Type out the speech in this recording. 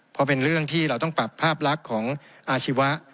พอเป็นเรื่องที่เราต้องปรับภาพลักษณ์ของอาชีวะ